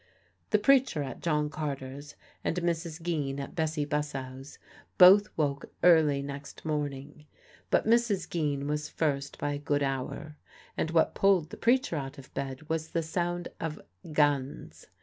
The preacher at John Carter's, and Mrs. Geen at Bessie Bussow's, both woke early next morning. But Mrs. Geen was first by a good hour, and what pulled the preacher out of bed was the sound of guns.